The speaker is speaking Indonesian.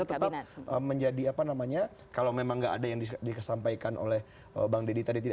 kab assaulted menjadikan apa namanya kalau memang enggak ada yang disampaikan oleh bangd pity